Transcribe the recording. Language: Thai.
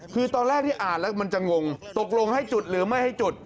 คือตอนแรกที่อ่านแล้วมันจะงงตกลงให้จุดหรือไม่ให้จุด